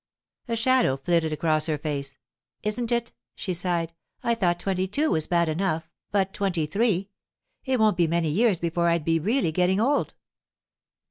A shadow flitted across her face. 'Isn't it?' she sighed. 'I thought twenty two was bad enough—but twenty three! It won't be many years before I'll be really getting old.